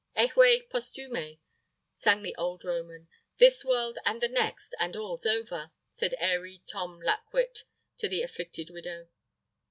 "Eheu! Posthume," sang the old Roman. "This world and the next, and all's over!" said airy Tom Lackwit to the afflicted widow.